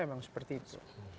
memang seperti itu